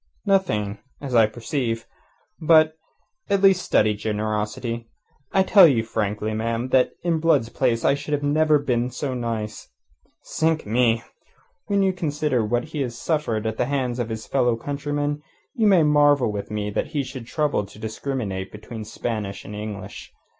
"Nothing as I perceive. But, at least, study generosity. I tell you frankly, ma'am, that in Blood's place I should never have been so nice. Sink me! When you consider what he has suffered at the hands of his fellow countrymen, you may marvel with me that he should trouble to discriminate between Spanish and English.